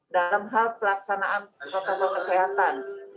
dalam hal pelaksanaan protokol kesehatan